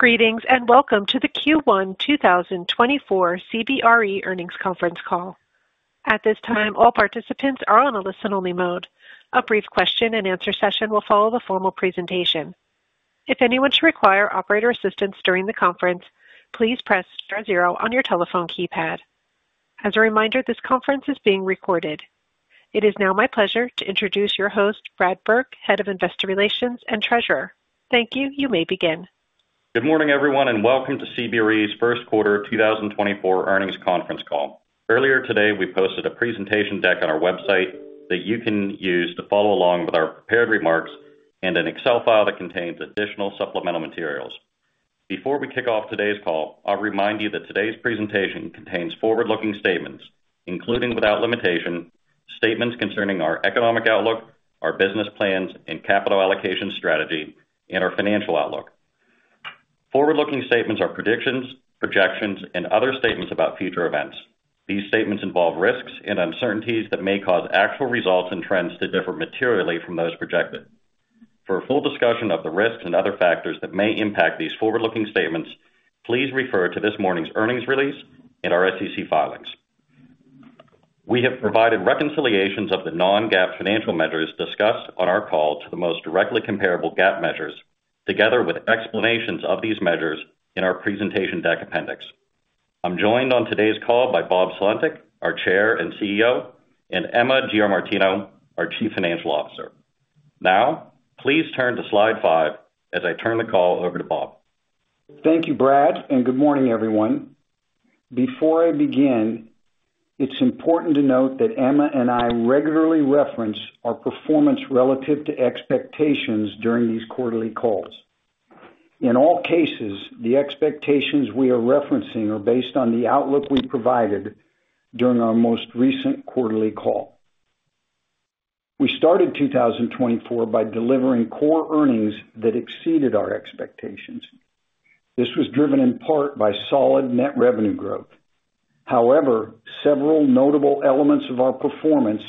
Greetings and welcome to the Q1 2024 CBRE earnings conference call. At this time, all participants are on a listen-only mode. A brief question-and-answer session will follow the formal presentation. If anyone should require operator assistance during the conference, please press star zero on your telephone keypad. As a reminder, this conference is being recorded. It is now my pleasure to introduce your host, Brad Burke, Head of Investor Relations and Treasurer. Thank you, you may begin. Good morning everyone and welcome to CBRE's first quarter 2024 earnings conference call. Earlier today we posted a presentation deck on our website that you can use to follow along with our prepared remarks and an Excel file that contains additional supplemental materials. Before we kick off today's call, I'll remind you that today's presentation contains forward-looking statements, including without limitation, statements concerning our economic outlook, our business plans and capital allocation strategy, and our financial outlook. Forward-looking statements are predictions, projections, and other statements about future events. These statements involve risks and uncertainties that may cause actual results and trends to differ materially from those projected. For a full discussion of the risks and other factors that may impact these forward-looking statements, please refer to this morning's earnings release and our SEC filings. We have provided reconciliations of the non-GAAP financial measures discussed on our call to the most directly comparable GAAP measures, together with explanations of these measures in our presentation deck appendix. I'm joined on today's call by Bob Sulentic, our Chair and CEO, and Emma Giamartino, our Chief Financial Officer. Now, please turn to slide five as I turn the call over to Bob. Thank you, Brad, and good morning everyone. Before I begin, it's important to note that Emma and I regularly reference our performance relative to expectations during these quarterly calls. In all cases, the expectations we are referencing are based on the outlook we provided during our most recent quarterly call. We started 2024 by delivering core earnings that exceeded our expectations. This was driven in part by solid net revenue growth. However, several notable elements of our performance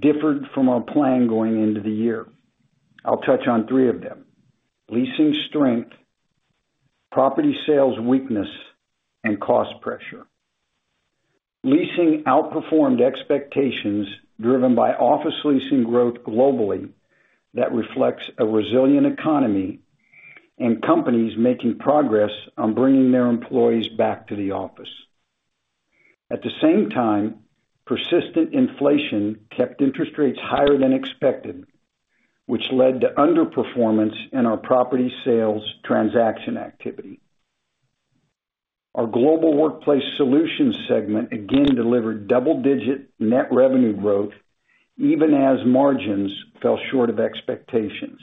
differed from our plan going into the year. I'll touch on three of them: leasing strength, property sales weakness, and cost pressure. Leasing outperformed expectations driven by office leasing growth globally that reflects a resilient economy and companies making progress on bringing their employees back to the office. At the same time, persistent inflation kept interest rates higher than expected, which led to underperformance in our property sales transaction activity. Our Global Workplace Solutions segment again delivered double-digit net revenue growth even as margins fell short of expectations.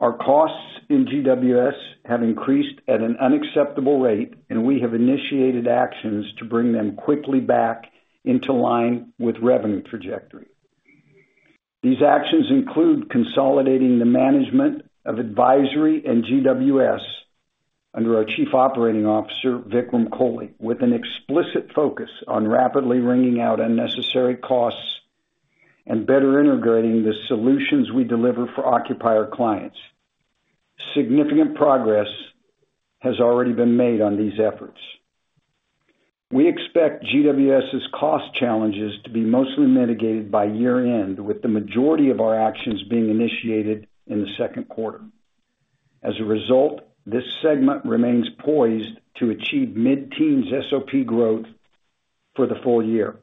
Our costs in GWS have increased at an unacceptable rate, and we have initiated actions to bring them quickly back into line with revenue trajectory. These actions include consolidating the management of advisory and GWS under our Chief Operating Officer, Vikram Kohli, with an explicit focus on rapidly wringing out unnecessary costs and better integrating the solutions we deliver for occupier clients. Significant progress has already been made on these efforts. We expect GWS's cost challenges to be mostly mitigated by year-end, with the majority of our actions being initiated in the second quarter. As a result, this segment remains poised to achieve mid-teens SOP growth for the full year.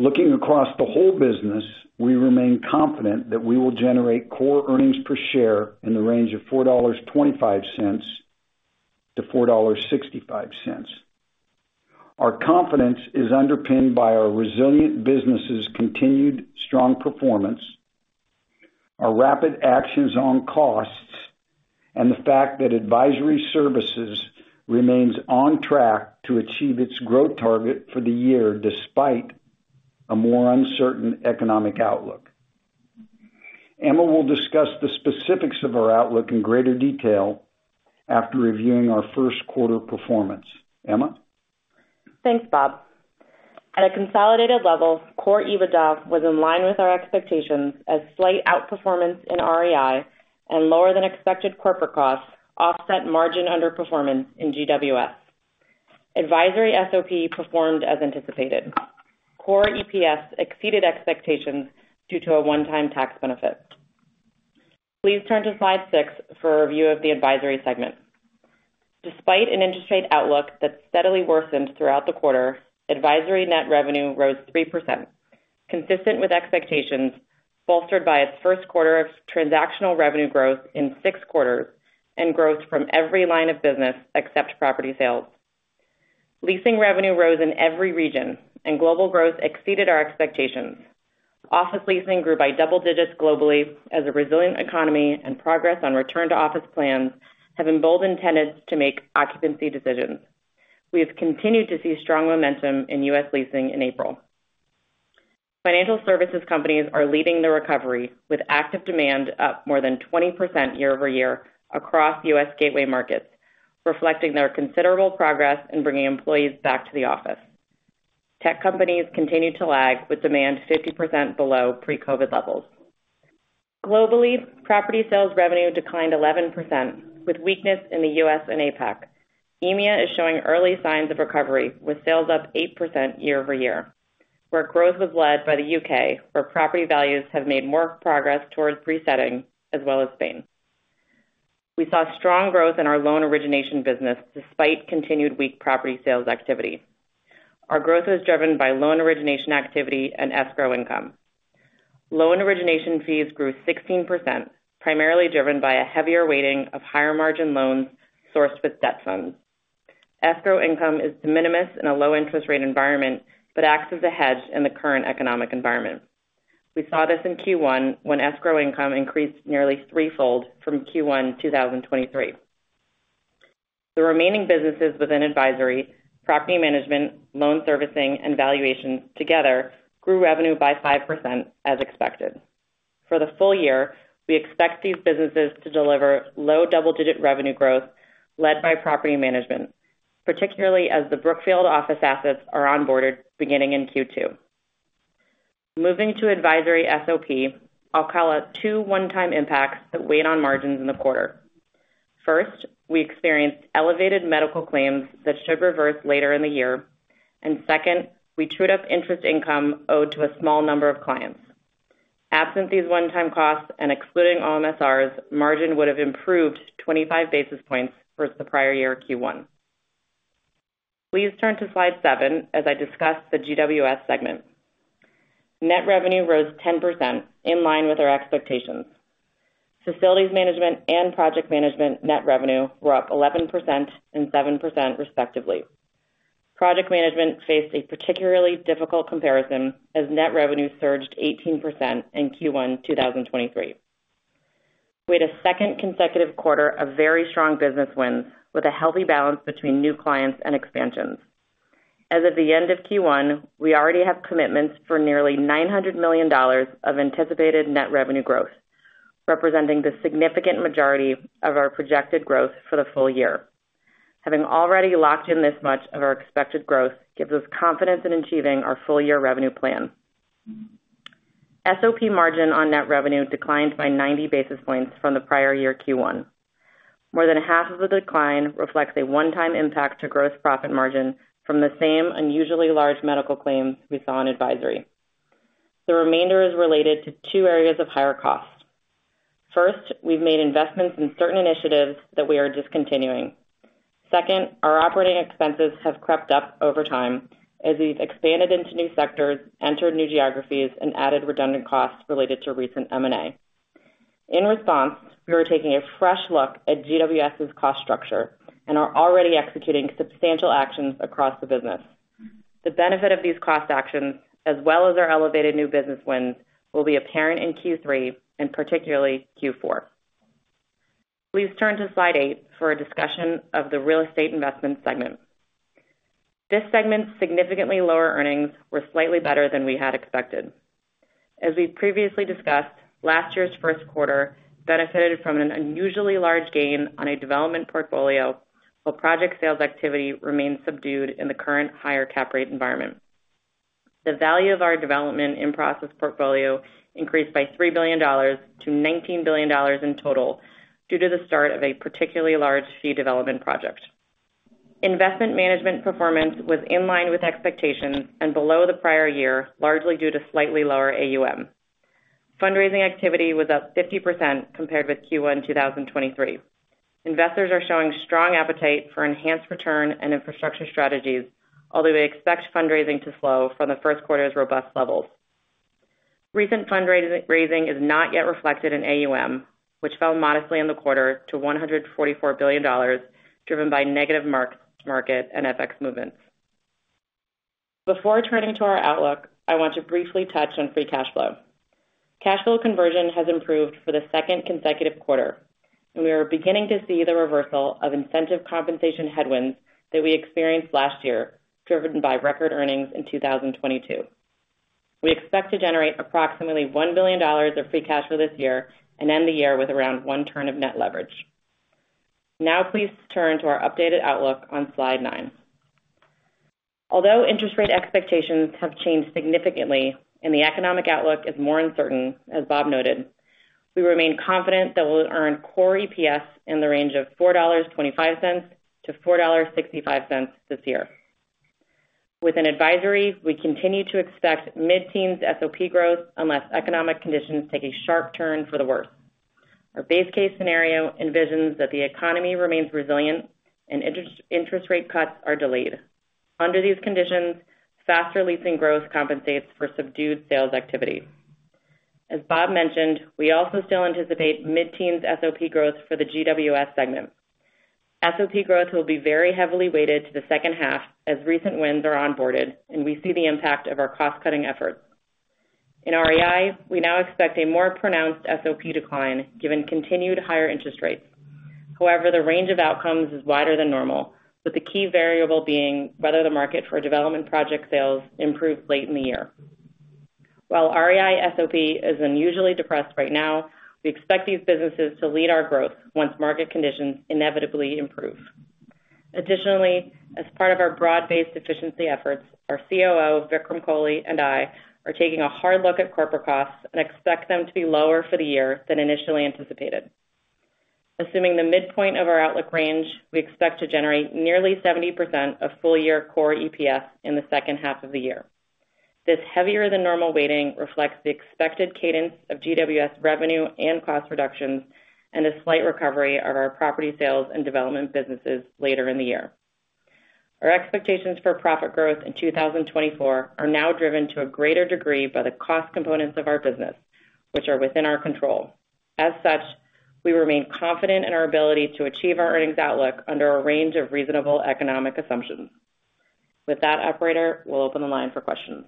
Looking across the whole business, we remain confident that we will generate core earnings per share in the range of $4.25-$4.65. Our confidence is underpinned by our resilient business's continued strong performance, our rapid actions on costs, and the fact that advisory services remains on track to achieve its growth target for the year despite a more uncertain economic outlook. Emma will discuss the specifics of our outlook in greater detail after reviewing our first quarter performance. Emma? Thanks, Bob. At a consolidated level, core EBITDA was in line with our expectations as slight outperformance in REI and lower-than-expected corporate costs offset margin underperformance in GWS. Advisory SOP performed as anticipated. Core EPS exceeded expectations due to a one-time tax benefit. Please turn to slide six for a review of the advisory segment. Despite an interest rate outlook that steadily worsened throughout the quarter, advisory net revenue rose 3%, consistent with expectations bolstered by its first quarter of transactional revenue growth in six quarters and growth from every line of business except property sales. Leasing revenue rose in every region, and global growth exceeded our expectations. Office leasing grew by double digits globally as a resilient economy and progress on return-to-office plans have emboldened tenants to make occupancy decisions. We have continued to see strong momentum in U.S. leasing in April. Financial services companies are leading the recovery, with active demand up more than 20% year-over-year across U.S. gateway markets, reflecting their considerable progress in bringing employees back to the office. Tech companies continue to lag, with demand 50% below pre-COVID levels. Globally, property sales revenue declined 11%, with weakness in the U.S. and APAC. EMEA is showing early signs of recovery, with sales up 8% year-over-year. Where growth was led by the U.K., where property values have made more progress towards resetting, as well as Spain. We saw strong growth in our loan origination business despite continued weak property sales activity. Our growth was driven by loan origination activity and escrow income. Loan origination fees grew 16%, primarily driven by a heavier weighting of higher-margin loans sourced with debt funds. Escrow income is de minimis in a low-interest-rate environment but acts as a hedge in the current economic environment. We saw this in Q1 when escrow income increased nearly threefold from Q1 2023. The remaining businesses within advisory, property management, loan servicing, and valuations, together grew revenue by 5% as expected. For the full year, we expect these businesses to deliver low double-digit revenue growth led by property management, particularly as the Brookfield office assets are onboarded beginning in Q2. Moving to advisory SOP, I'll call out two one-time impacts that weighed on margins in the quarter. First, we experienced elevated medical claims that should reverse later in the year. Second, we trued up interest income owed to a small number of clients. Absent these one-time costs and excluding OMSRs, margin would have improved 25 basis points versus the prior year, Q1. Please turn to slide seven as I discuss the GWS segment. Net revenue rose 10%, in line with our expectations. Facilities management and project management net revenue were up 11% and 7%, respectively. Project management faced a particularly difficult comparison as net revenue surged 18% in Q1 2023. We had a second consecutive quarter of very strong business wins, with a healthy balance between new clients and expansions. As of the end of Q1, we already have commitments for nearly $900 million of anticipated net revenue growth, representing the significant majority of our projected growth for the full year. Having already locked in this much of our expected growth gives us confidence in achieving our full-year revenue plan. SOP margin on net revenue declined by 90 basis points from the prior year, Q1. More than half of the decline reflects a one-time impact to gross profit margin from the same unusually large medical claims we saw in advisory. The remainder is related to two areas of higher cost. First, we've made investments in certain initiatives that we are discontinuing. Second, our operating expenses have crept up over time as we've expanded into new sectors, entered new geographies, and added redundant costs related to recent M&A. In response, we are taking a fresh look at GWS's cost structure and are already executing substantial actions across the business. The benefit of these cost actions, as well as our elevated new business wins, will be apparent in Q3 and particularly Q4. Please turn to slide 8 for a discussion of the real estate investment segment. This segment's significantly lower earnings were slightly better than we had expected. As we've previously discussed, last year's first quarter benefited from an unusually large gain on a development portfolio while project sales activity remained subdued in the current higher cap rate environment. The value of our development-in-process portfolio increased by $3 billion to $19 billion in total due to the start of a particularly large fee development project. Investment management performance was in line with expectations and below the prior year, largely due to slightly lower AUM. Fundraising activity was up 50% compared with Q1 2023. Investors are showing strong appetite for enhanced return and infrastructure strategies, although they expect fundraising to slow from the first quarter's robust levels. Recent fundraising is not yet reflected in AUM, which fell modestly in the quarter to $144 billion, driven by negative market and FX movements. Before turning to our outlook, I want to briefly touch on free cash flow. Cash flow conversion has improved for the second consecutive quarter, and we are beginning to see the reversal of incentive compensation headwinds that we experienced last year, driven by record earnings in 2022. We expect to generate approximately $1 billion of free cash flow this year and end the year with around one turn of net leverage. Now, please turn to our updated outlook on slide nine. Although interest rate expectations have changed significantly and the economic outlook is more uncertain, as Bob noted, we remain confident that we'll earn core EPS in the range of $4.25-$4.65 this year. Within advisory, we continue to expect mid-teens SOP growth unless economic conditions take a sharp turn for the worse. Our base case scenario envisions that the economy remains resilient and interest rate cuts are delayed. Under these conditions, faster leasing growth compensates for subdued sales activity. As Bob mentioned, we also still anticipate mid-teens SOP growth for the GWS segment. SOP growth will be very heavily weighted to the second half as recent wins are onboarded and we see the impact of our cost-cutting efforts. In REI, we now expect a more pronounced SOP decline given continued higher interest rates. However, the range of outcomes is wider than normal, with the key variable being whether the market for development project sales improves late in the year. While REI SOP is unusually depressed right now, we expect these businesses to lead our growth once market conditions inevitably improve. Additionally, as part of our broad-based efficiency efforts, our COO, Vikram Kohli, and I are taking a hard look at corporate costs and expect them to be lower for the year than initially anticipated. Assuming the midpoint of our outlook range, we expect to generate nearly 70% of full-year core EPS in the second half of the year. This heavier-than-normal weighting reflects the expected cadence of GWS revenue and cost reductions and a slight recovery of our property sales and development businesses later in the year. Our expectations for profit growth in 2024 are now driven to a greater degree by the cost components of our business, which are within our control. As such, we remain confident in our ability to achieve our earnings outlook under a range of reasonable economic assumptions. With that, operator, we'll open the line for questions.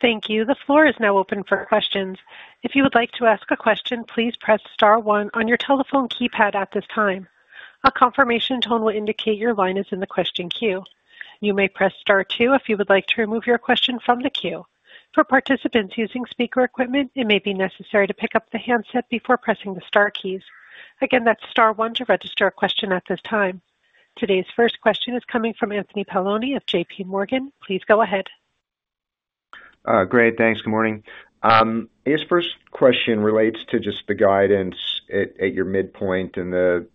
Thank you. The floor is now open for questions. If you would like to ask a question, please press star one on your telephone keypad at this time. A confirmation tone will indicate your line is in the question queue. You may press star two if you would like to remove your question from the queue. For participants using speaker equipment, it may be necessary to pick up the handset before pressing the star keys. Again, that's star one to register a question at this time. Today's first question is coming from Anthony Paolone of JPMorgan. Please go ahead. Great. Thanks. Good morning. I guess first question relates to just the guidance at your midpoint and the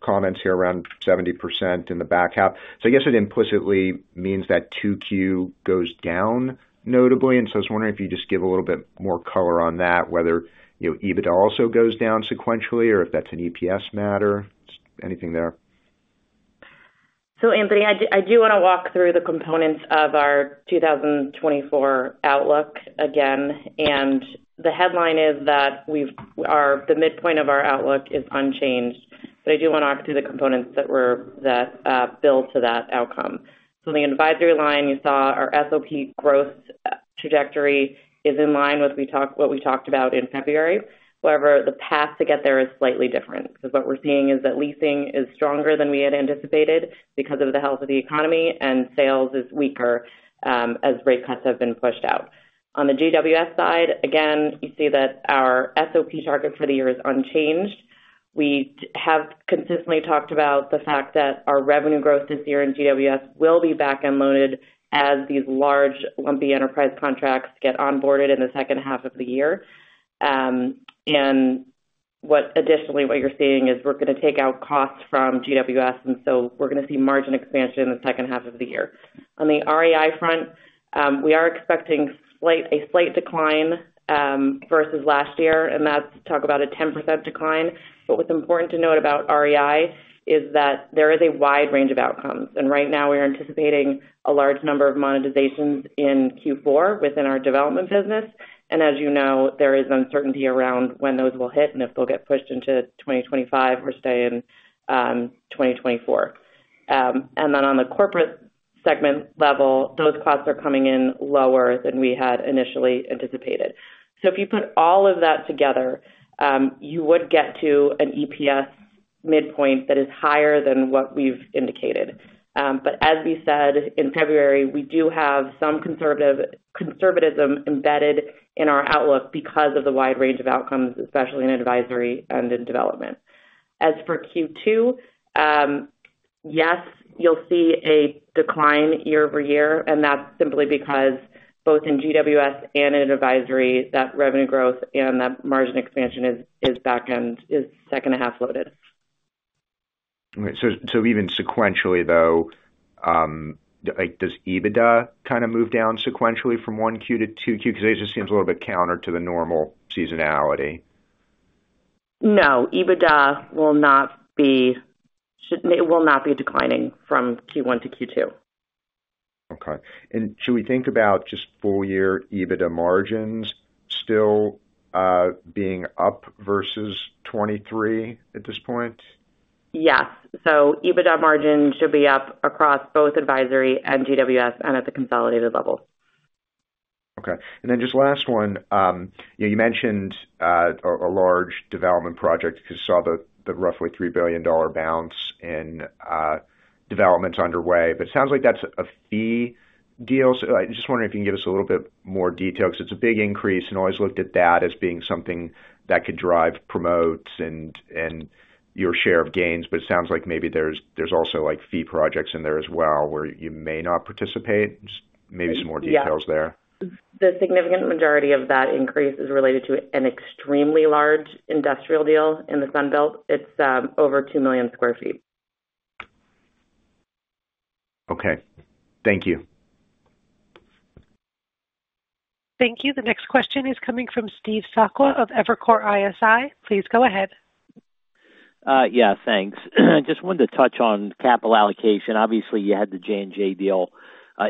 comments here around 70% in the back half. So I guess it implicitly means that 2Q goes down notably, and so I was wondering if you could just give a little bit more color on that, whether EBITDA also goes down sequentially or if that's an EPS matter. Anything there? So, Anthony, I do want to walk through the components of our 2024 outlook again. And the headline is that the midpoint of our outlook is unchanged, but I do want to walk through the components that build to that outcome. So in the advisory line, you saw our SOP growth trajectory is in line with what we talked about in February. However, the path to get there is slightly different because what we're seeing is that leasing is stronger than we had anticipated because of the health of the economy and sales is weaker as rate cuts have been pushed out. On the GWS side, again, you see that our SOP target for the year is unchanged. We have consistently talked about the fact that our revenue growth this year in GWS will be back-end loaded as these large, lumpy enterprise contracts get onboarded in the second half of the year. Additionally, what you're seeing is we're going to take out costs from GWS, and so we're going to see margin expansion in the second half of the year. On the REI front, we are expecting a slight decline versus last year, and that's about a 10% decline. What's important to note about REI is that there is a wide range of outcomes. Right now, we are anticipating a large number of monetizations in Q4 within our development business. As you know, there is uncertainty around when those will hit and if they'll get pushed into 2025 or stay in 2024. And then on the corporate segment level, those costs are coming in lower than we had initially anticipated. So if you put all of that together, you would get to an EPS midpoint that is higher than what we've indicated. But as we said in February, we do have some conservatism embedded in our outlook because of the wide range of outcomes, especially in advisory and in development. As for Q2, yes, you'll see a decline year-over-year, and that's simply because both in GWS and in advisory that revenue growth and that margin expansion is back-end, is second-half loaded. All right. So even sequentially, though, does EBITDA kind of move down sequentially from 1Q to 2Q? Because it just seems a little bit counter to the normal seasonality. No. EBITDA will not be declining from Q1 to Q2. Okay. Should we think about just full-year EBITDA margins still being up versus 2023 at this point? Yes. So EBITDA margin should be up across both advisory and GWS and at the consolidated level. Okay. And then just last one, you mentioned a large development project because you saw the roughly $3 billion bounce in development underway, but it sounds like that's a fee deal. So I just wondering if you can give us a little bit more detail because it's a big increase and always looked at that as being something that could drive, promote, and your share of gains. But it sounds like maybe there's also fee projects in there as well where you may not participate. Just maybe some more details there. Yeah. The significant majority of that increase is related to an extremely large industrial deal in the Sunbelt. It's over 2 million sq ft. Okay. Thank you. Thank you. The next question is coming from Steve Sakwa of Evercore ISI. Please go ahead. Yeah. Thanks. Just wanted to touch on capital allocation. Obviously, you had the J&J deal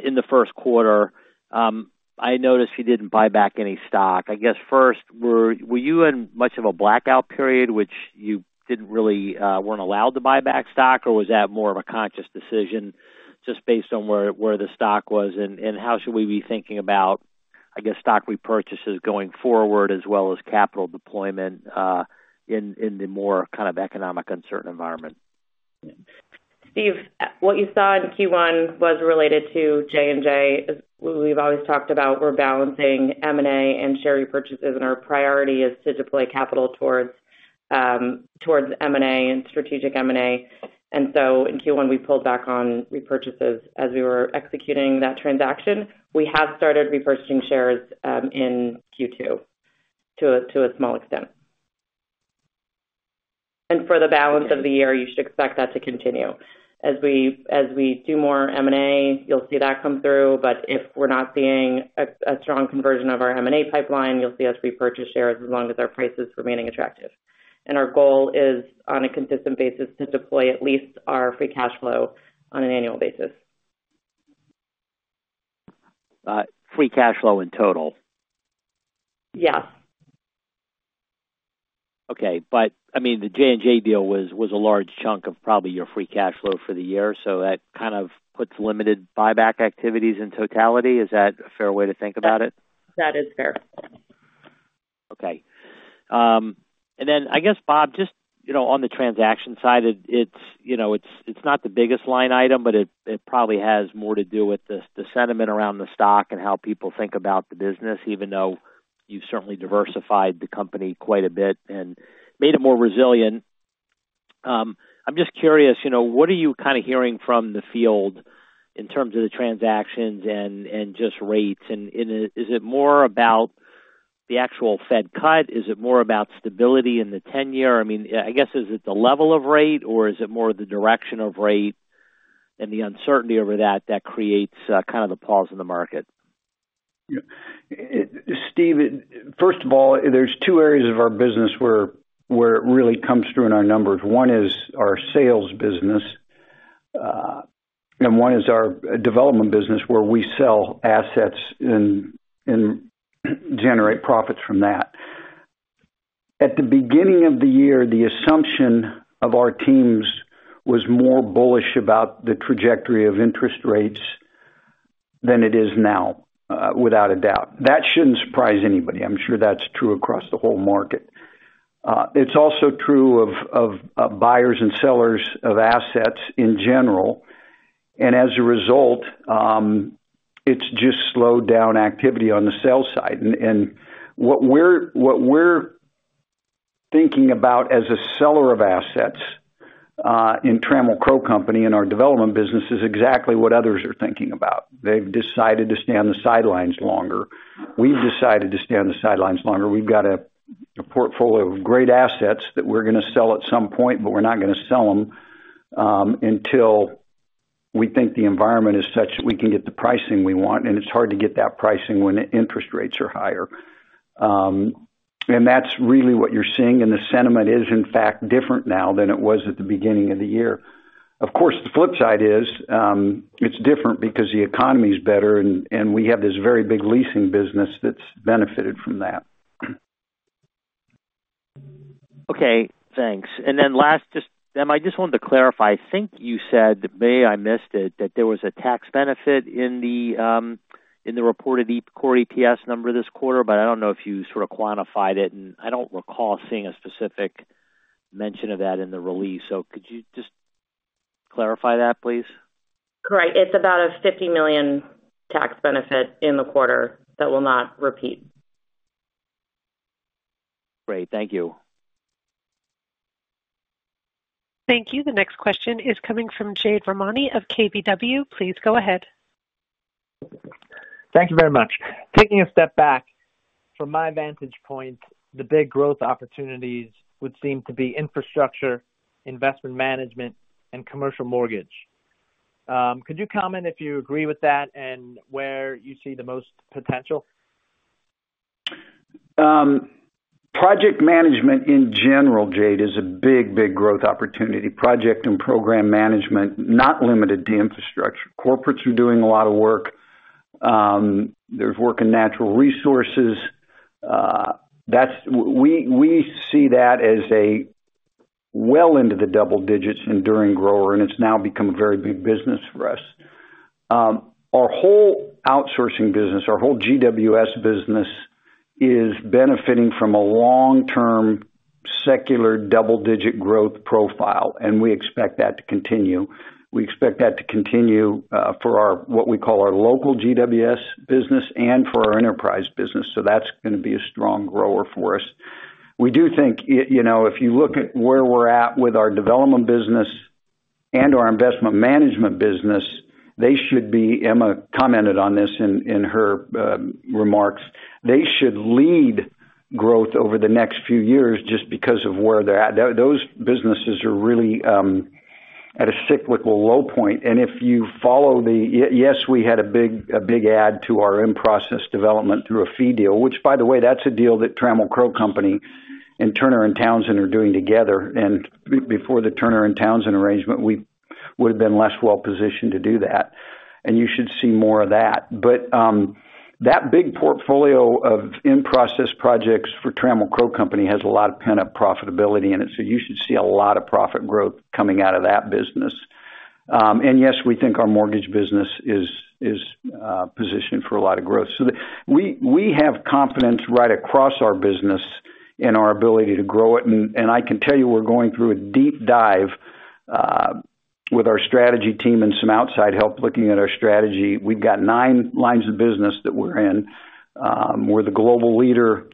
in the first quarter. I noticed you didn't buy back any stock. I guess first, were you in much of a blackout period, which you weren't allowed to buy back stock, or was that more of a conscious decision just based on where the stock was? And how should we be thinking about, I guess, stock repurchases going forward as well as capital deployment in the more kind of economic uncertain environment? Steve, what you saw in Q1 was related to J&J. We've always talked about we're balancing M&A and share repurchases, and our priority is to deploy capital towards M&A and strategic M&A. So in Q1, we pulled back on repurchases as we were executing that transaction. We have started repurchasing shares in Q2 to a small extent. For the balance of the year, you should expect that to continue. As we do more M&A, you'll see that come through. But if we're not seeing a strong conversion of our M&A pipeline, you'll see us repurchase shares as long as our price is remaining attractive. Our goal is, on a consistent basis, to deploy at least our free cash flow on an annual basis. Free cash flow in total? Yes. Okay. But I mean, the J&J deal was a large chunk of probably your free cash flow for the year, so that kind of puts limited buyback activities in totality. Is that a fair way to think about it? That is fair. Okay. And then I guess, Bob, just on the transaction side, it's not the biggest line item, but it probably has more to do with the sentiment around the stock and how people think about the business, even though you've certainly diversified the company quite a bit and made it more resilient. I'm just curious, what are you kind of hearing from the field in terms of the transactions and just rates? And is it more about the actual Fed cut? Is it more about stability in the 10-year? I mean, I guess, is it the level of rate, or is it more the direction of rate and the uncertainty over that that creates kind of the pause in the market? Yeah. Steve, first of all, there are two areas of our business where it really comes through in our numbers. One is our sales business, and one is our development business where we sell assets and generate profits from that. At the beginning of the year, the assumption of our teams was more bullish about the trajectory of interest rates than it is now, without a doubt. That shouldn't surprise anybody. I'm sure that's true across the whole market. It's also true of buyers and sellers of assets in general. And as a result, it's just slowed down activity on the sale side. And what we're thinking about as a seller of assets in Trammell Crow Company in our development business is exactly what others are thinking about. They've decided to stand on the sidelines longer. We've decided to stand on the sidelines longer. We've got a portfolio of great assets that we're going to sell at some point, but we're not going to sell them until we think the environment is such that we can get the pricing we want. And it's hard to get that pricing when interest rates are higher. And that's really what you're seeing. And the sentiment is, in fact, different now than it was at the beginning of the year. Of course, the flip side is it's different because the economy's better, and we have this very big leasing business that's benefited from that. Okay. Thanks. And then last, I just wanted to clarify. I think you said (maybe I missed it) that there was a tax benefit in the reported core EPS number this quarter, but I don't know if you sort of quantified it. And I don't recall seeing a specific mention of that in the release. So could you just clarify that, please? Right. It's about a $50 million tax benefit in the quarter that will not repeat. Great. Thank you. Thank you. The next question is coming from Jade Rahmani of KBW. Please go ahead. Thank you very much. Taking a step back from my vantage point, the big growth opportunities would seem to be infrastructure, investment management, and commercial mortgage. Could you comment if you agree with that and where you see the most potential? Project management in general, Jade, is a big, big growth opportunity. Project and program management, not limited to infrastructure. Corporates are doing a lot of work. There's work in natural resources. We see that as a well into the double digits enduring grower, and it's now become a very big business for us. Our whole outsourcing business, our whole GWS business, is benefiting from a long-term secular double-digit growth profile, and we expect that to continue. We expect that to continue for what we call our local GWS business and for our enterprise business. So that's going to be a strong grower for us. We do think if you look at where we're at with our development business and our investment management business, they should be, Emma commented on this in her remarks, they should lead growth over the next few years just because of where they're at. Those businesses are really at a cyclical low point. And if you follow, yes, we had a big add to our in-process development through a fee deal, which, by the way, that's a deal that Trammell Crow Company and Turner & Townsend are doing together. And before the Turner & Townsend arrangement, we would have been less well-positioned to do that. And you should see more of that. But that big portfolio of in-process projects for Trammell Crow Company has a lot of pent-up profitability in it, so you should see a lot of profit growth coming out of that business. And yes, we think our mortgage business is positioned for a lot of growth. So we have confidence right across our business in our ability to grow it. I can tell you we're going through a deep dive with our strategy team and some outside help looking at our strategy. We've got nine lines of business that we're in. We're the global leader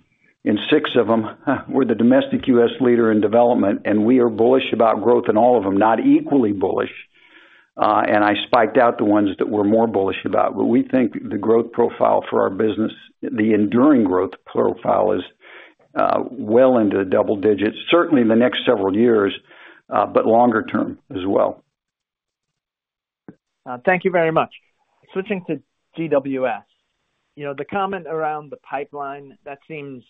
in six of them. We're the domestic U.S. leader in development, and we are bullish about growth in all of them, not equally bullish. And I spiked out the ones that we're more bullish about. But we think the growth profile for our business, the enduring growth profile, is well into the double digits, certainly in the next several years, but longer-term as well. Thank you very much. Switching to GWS, the comment around the pipeline, that seems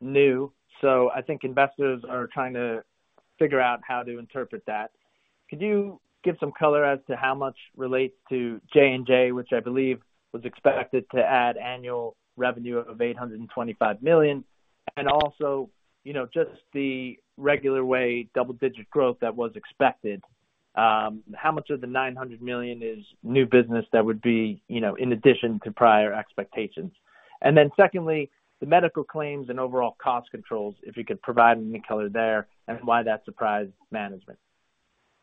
new. So I think investors are trying to figure out how to interpret that. Could you give some color as to how much relates to J&J, which I believe was expected to add annual revenue of $825 million, and also just the regular way double-digit growth that was expected? How much of the $900 million is new business that would be in addition to prior expectations? And then secondly, the medical claims and overall cost controls, if you could provide any color there, and why that surprised management?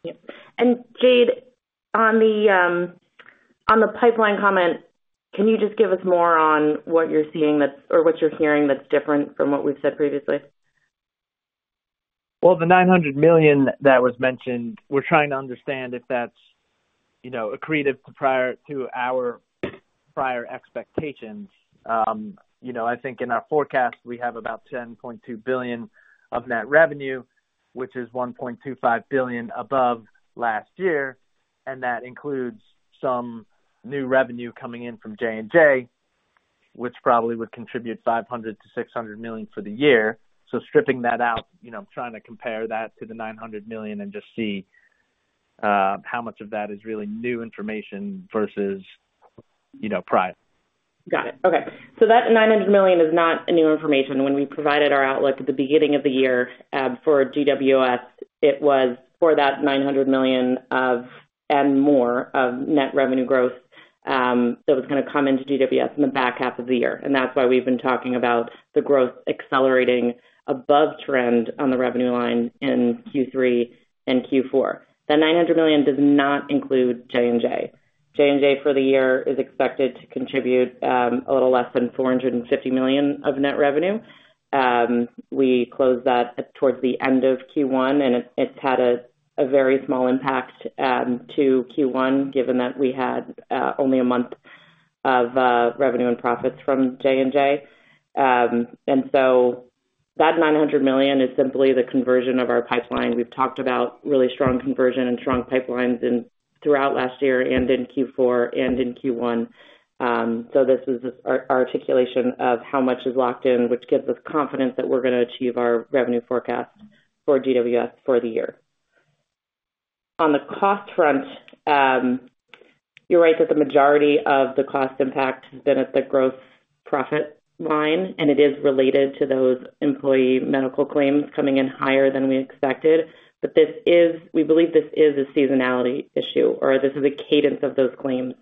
Yeah. And Jade, on the pipeline comment, can you just give us more on what you're seeing or what you're hearing that's different from what we've said previously? Well, the $900 million that was mentioned, we're trying to understand if that's accretive to our prior expectations. I think in our forecast, we have about $10.2 billion of net revenue, which is $1.25 billion above last year. And that includes some new revenue coming in from J&J, which probably would contribute $500 million-$600 million for the year. So stripping that out, I'm trying to compare that to the $900 million and just see how much of that is really new information versus prior. Got it. Okay. So that $900 million is not new information. When we provided our outlook at the beginning of the year for GWS, it was for that $900 million and more of net revenue growth that was going to come into GWS in the back half of the year. And that's why we've been talking about the growth accelerating above trend on the revenue line in Q3 and Q4. That $900 million does not include J&J. J&J for the year is expected to contribute a little less than $450 million of net revenue. We closed that towards the end of Q1, and it's had a very small impact to Q1 given that we had only a month of revenue and profits from J&J. And so that $900 million is simply the conversion of our pipeline. We've talked about really strong conversion and strong pipelines throughout last year and in Q4 and in Q1. So this was our articulation of how much is locked in, which gives us confidence that we're going to achieve our revenue forecast for GWS for the year. On the cost front, you're right that the majority of the cost impact has been at the gross profit line, and it is related to those employee medical claims coming in higher than we expected. But we believe this is a seasonality issue, or this is a cadence of those claims.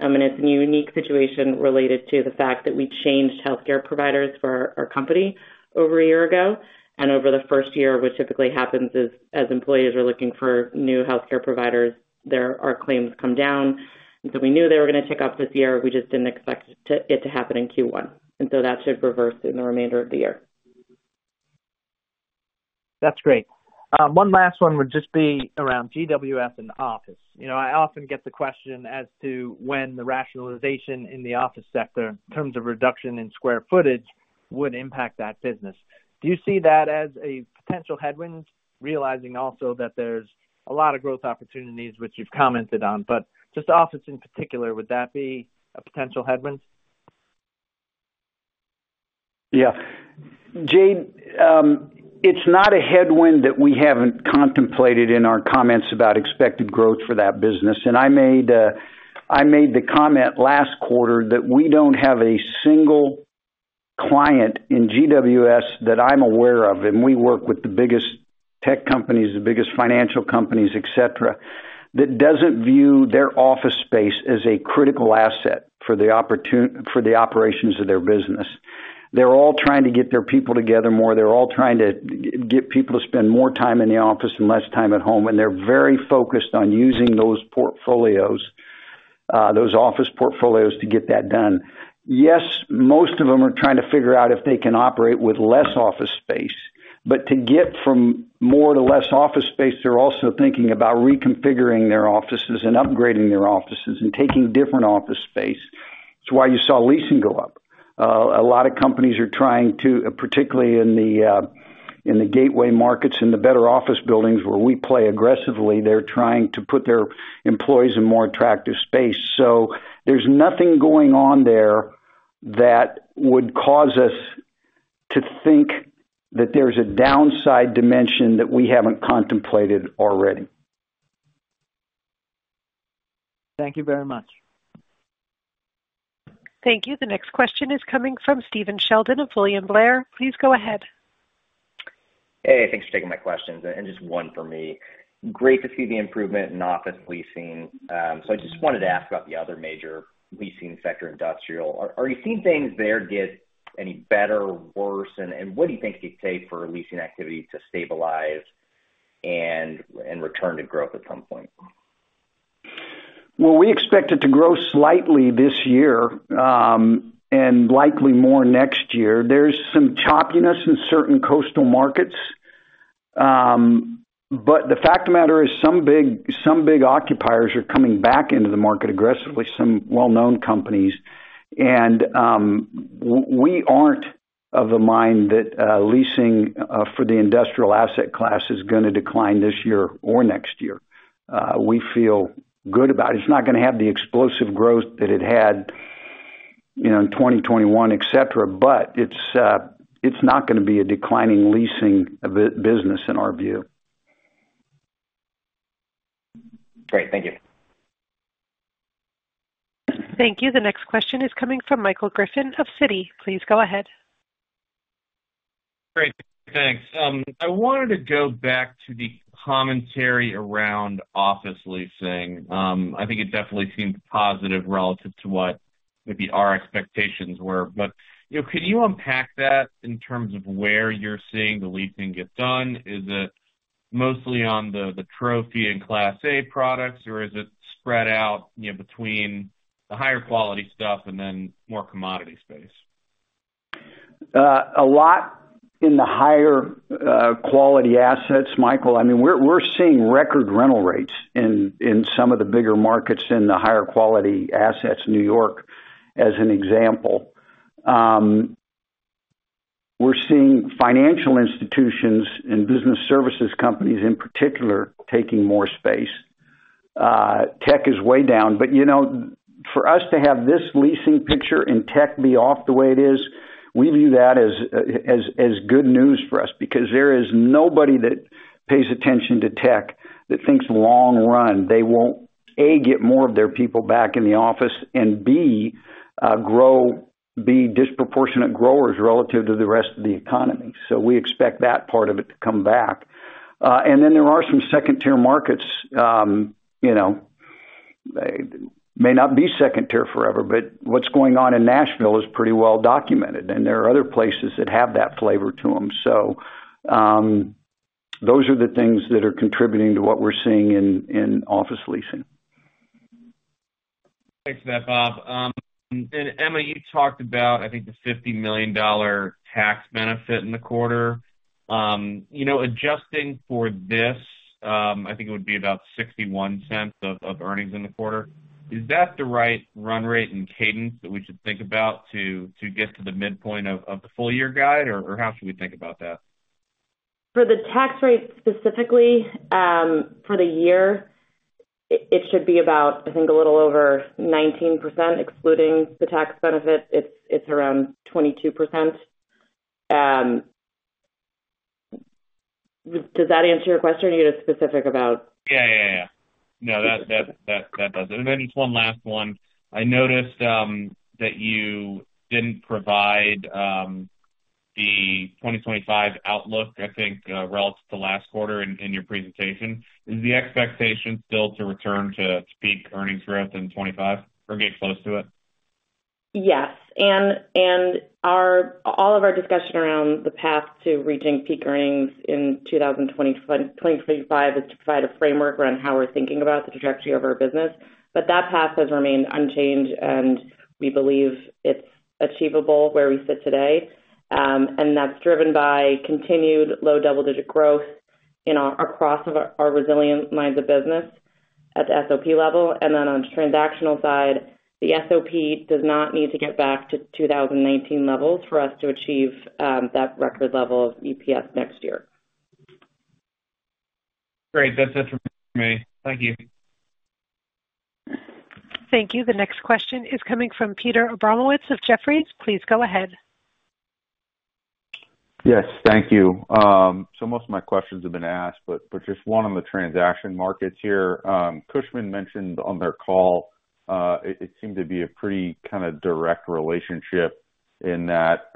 I mean, it's a unique situation related to the fact that we changed healthcare providers for our company over a year ago. And over the first year, what typically happens is as employees are looking for new healthcare providers, our claims come down. We knew they were going to tick up this year. We just didn't expect it to happen in Q1. That should reverse in the remainder of the year. That's great. One last one would just be around GWS and office. I often get the question as to when the rationalization in the office sector, in terms of reduction in square footage, would impact that business. Do you see that as a potential headwind, realizing also that there's a lot of growth opportunities, which you've commented on? But just office in particular, would that be a potential headwind? Yeah. Jade, it's not a headwind that we haven't contemplated in our comments about expected growth for that business. And I made the comment last quarter that we don't have a single client in GWS that I'm aware of, and we work with the biggest tech companies, the biggest financial companies, etc., that doesn't view their office space as a critical asset for the operations of their business. They're all trying to get their people together more. They're all trying to get people to spend more time in the office and less time at home. And they're very focused on using those office portfolios to get that done. Yes, most of them are trying to figure out if they can operate with less office space. But to get from more to less office space, they're also thinking about reconfiguring their offices and upgrading their offices and taking different office space. It's why you saw leasing go up. A lot of companies are trying to, particularly in the gateway markets in the better office buildings where we play aggressively, they're trying to put their employees in more attractive space. So there's nothing going on there that would cause us to think that there's a downside dimension that we haven't contemplated already. Thank you very much. Thank you. The next question is coming from Stephen Sheldon of William Blair. Please go ahead. Hey. Thanks for taking my questions. And just one for me. Great to see the improvement in office leasing. So I just wanted to ask about the other major leasing sector, industrial. Are you seeing things there get any better, worse? And what do you think it could take for leasing activity to stabilize and return to growth at some point? Well, we expect it to grow slightly this year and likely more next year. There's some choppiness in certain coastal markets. The fact of the matter is some big occupiers are coming back into the market aggressively, some well-known companies. We aren't of the mind that leasing for the industrial asset class is going to decline this year or next year. We feel good about it. It's not going to have the explosive growth that it had in 2021, etc. It's not going to be a declining leasing business in our view. Great. Thank you. Thank you. The next question is coming from Michael Griffin of Citi. Please go ahead. Great. Thanks. I wanted to go back to the commentary around office leasing. I think it definitely seemed positive relative to what maybe our expectations were. But could you unpack that in terms of where you're seeing the leasing get done? Is it mostly on the trophy and Class A products, or is it spread out between the higher-quality stuff and then more commodity space? A lot in the higher-quality assets, Michael. I mean, we're seeing record rental rates in some of the bigger markets in the higher-quality assets, New York as an example. We're seeing financial institutions and business services companies in particular taking more space. Tech is way down. But for us to have this leasing picture and tech be off the way it is, we view that as good news for us because there is nobody that pays attention to tech that thinks long-run they won't, A, get more of their people back in the office, and B, disproportionate growers relative to the rest of the economy. So we expect that part of it to come back. And then there are some second-tier markets. It may not be second-tier forever, but what's going on in Nashville is pretty well documented, and there are other places that have that flavor to them. So those are the things that are contributing to what we're seeing in office leasing. Thanks for that, Bob. And Emma, you talked about, I think, the $50 million tax benefit in the quarter. Adjusting for this, I think it would be about $0.61 of earnings in the quarter. Is that the right run rate and cadence that we should think about to get to the midpoint of the full-year guide, or how should we think about that? For the tax rate specifically, for the year, it should be about, I think, a little over 19% excluding the tax benefit. It's around 22%. Does that answer your question? Are you going to be specific about? Yeah, yeah, yeah. No, that doesn't. Then just one last one. I noticed that you didn't provide the 2025 outlook, I think, relative to last quarter in your presentation. Is the expectation still to return to peak earnings growth in 2025 or get close to it? Yes. And all of our discussion around the path to reaching peak earnings in 2025 is to provide a framework around how we're thinking about the trajectory of our business. But that path has remained unchanged, and we believe it's achievable where we sit today. And that's driven by continued low double-digit growth across our resilient lines of business at the SOP level. And then on the transactional side, the SOP does not need to get back to 2019 levels for us to achieve that record level of EPS next year. Great. That's it from me. Thank you. Thank you. The next question is coming from Peter Abramowitz of Jefferies. Please go ahead. Yes. Thank you. So most of my questions have been asked, but just one on the transaction markets here. Cushman mentioned on their call. It seemed to be a pretty kind of direct relationship in that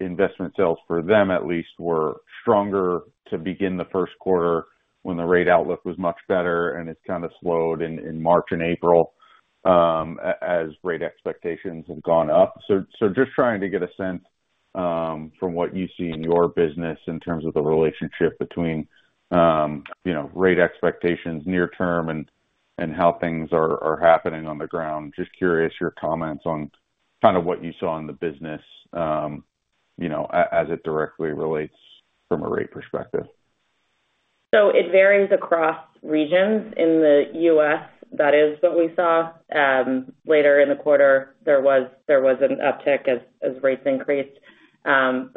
investment sales for them, at least, were stronger to begin the first quarter when the rate outlook was much better, and it's kind of slowed in March and April as rate expectations have gone up. So just trying to get a sense from what you see in your business in terms of the relationship between rate expectations near-term and how things are happening on the ground. Just curious your comments on kind of what you saw in the business as it directly relates from a rate perspective. It varies across regions. In the U.S., that is what we saw. Later in the quarter, there was an uptick as rates increased. In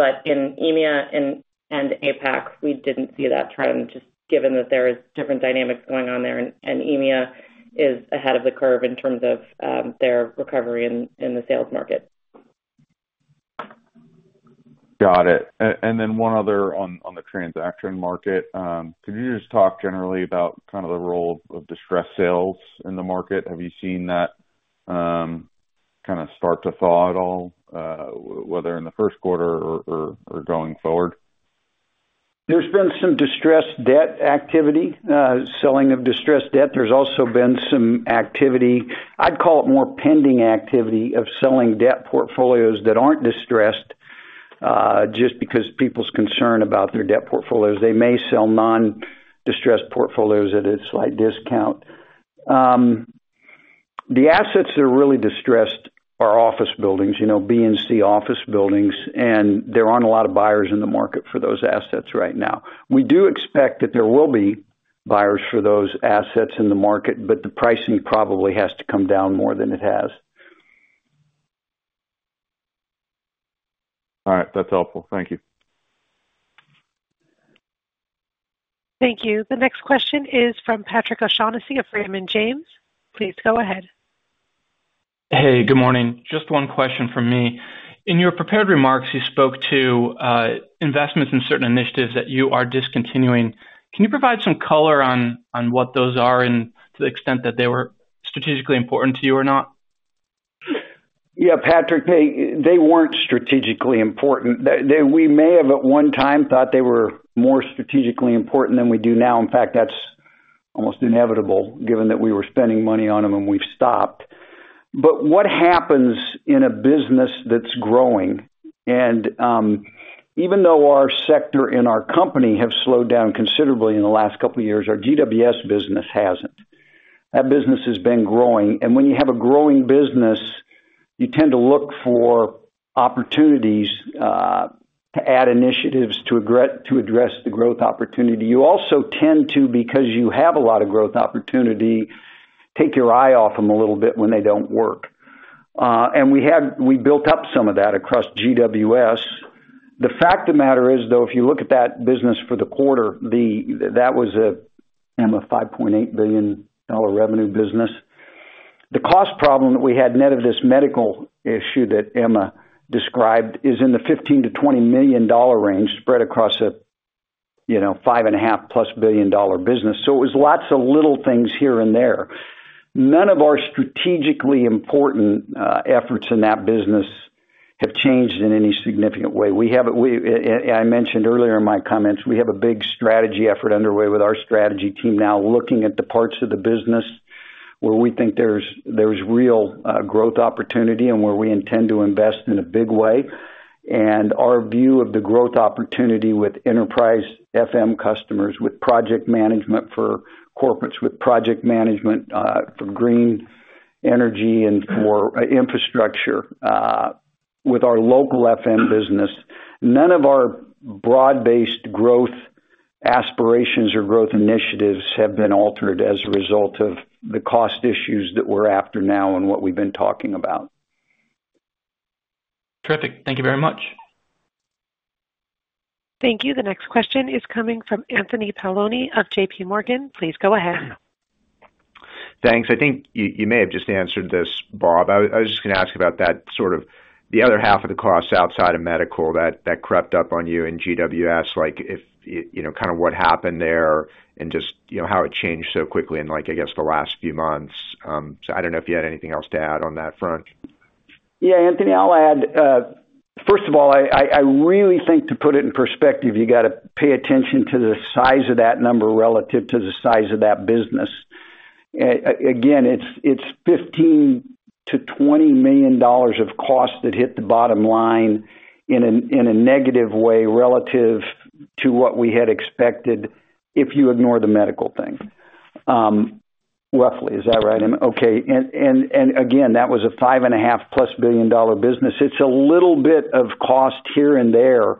EMEA and APAC, we didn't see that trend just given that there are different dynamics going on there. EMEA is ahead of the curve in terms of their recovery in the sales market. Got it. And then one other on the transaction market. Could you just talk generally about kind of the role of distressed sales in the market? Have you seen that kind of start to thaw at all, whether in the first quarter or going forward? There's been some distressed debt activity, selling of distressed debt. There's also been some activity I'd call it more pending activity of selling debt portfolios that aren't distressed just because people's concern about their debt portfolios. They may sell non-distressed portfolios at a slight discount. The assets that are really distressed are office buildings, B and C office buildings, and there aren't a lot of buyers in the market for those assets right now. We do expect that there will be buyers for those assets in the market, but the pricing probably has to come down more than it has. All right. That's helpful. Thank you. Thank you. The next question is from Patrick O'Shaughnessy of Raymond James. Please go ahead. Hey. Good morning. Just one question from me. In your prepared remarks, you spoke to investments in certain initiatives that you are discontinuing. Can you provide some color on what those are and to the extent that they were strategically important to you or not? Yeah, Patrick. They weren't strategically important. We may have at one time thought they were more strategically important than we do now. In fact, that's almost inevitable given that we were spending money on them and we've stopped. But what happens in a business that's growing? And even though our sector in our company have slowed down considerably in the last couple of years, our GWS business hasn't. That business has been growing. And when you have a growing business, you tend to look for opportunities to add initiatives to address the growth opportunity. You also tend to, because you have a lot of growth opportunity, take your eye off them a little bit when they don't work. And we built up some of that across GWS. The fact of the matter is, though, if you look at that business for the quarter, that was a, Emma, $5.8 billion revenue business. The cost problem that we had net of this medical issue that Emma described is in the $15 million-$20 million range spread across a $5.5+ billion business. So it was lots of little things here and there. None of our strategically important efforts in that business have changed in any significant way. I mentioned earlier in my comments, we have a big strategy effort underway with our strategy team now looking at the parts of the business where we think there's real growth opportunity and where we intend to invest in a big way. Our view of the growth opportunity with enterprise FM customers, with project management for corporates, with project management for green energy and for infrastructure, with our local FM business, none of our broad-based growth aspirations or growth initiatives have been altered as a result of the cost issues that we're after now and what we've been talking about. Terrific. Thank you very much. Thank you. The next question is coming from Anthony Paolone of JPMorgan. Please go ahead. Thanks. I think you may have just answered this, Bob. I was just going to ask about that sort of the other half of the costs outside of medical that crept up on you in GWS, kind of what happened there and just how it changed so quickly in, I guess, the last few months. So I don't know if you had anything else to add on that front. Yeah, Anthony, I'll add. First of all, I really think to put it in perspective, you got to pay attention to the size of that number relative to the size of that business. Again, it's $15 million-$20 million of cost that hit the bottom line in a negative way relative to what we had expected if you ignore the medical thing, roughly. Is that right, Emma? Okay. And again, that was a $5.5+ billion business. It's a little bit of cost here and there,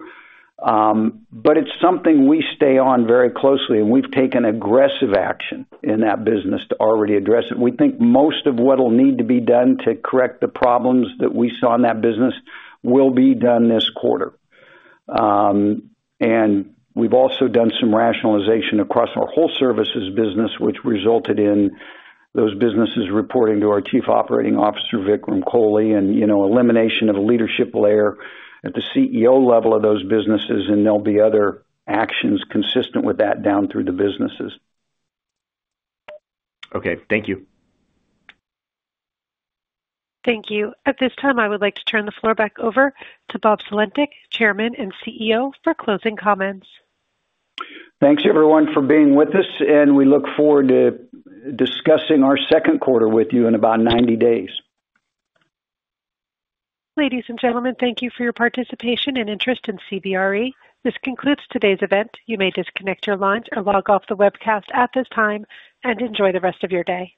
but it's something we stay on very closely, and we've taken aggressive action in that business to already address it. We think most of what'll need to be done to correct the problems that we saw in that business will be done this quarter. We've also done some rationalization across our whole services business, which resulted in those businesses reporting to our Chief Operating Officer, Vikram Kohli, and elimination of a leadership layer at the CEO level of those businesses. There'll be other actions consistent with that down through the businesses. Okay. Thank you. Thank you. At this time, I would like to turn the floor back over to Bob Sulentic, Chairman and CEO, for closing comments. Thanks, everyone, for being with us. We look forward to discussing our second quarter with you in about 90 days. Ladies and gentlemen, thank you for your participation and interest in CBRE. This concludes today's event. You may disconnect your lines or log off the webcast at this time and enjoy the rest of your day.